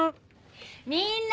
みんな！